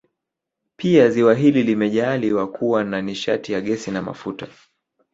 Pia ziwa hili limejaaliwa kuwa na nishati ya gesi na mafuta